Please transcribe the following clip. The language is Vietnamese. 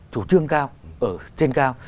chủ trương cao ở trên cao